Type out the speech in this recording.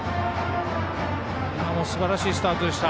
今もすばらしいスタートでした。